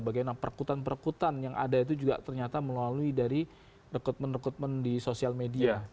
bagaimana perkutan perekrutan yang ada itu juga ternyata melalui dari rekrutmen rekrutmen di sosial media